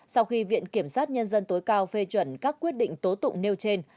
sau khi viện kiểm sát nhân dân tối cao phê chuẩn các quyết định tố tụng nêu trên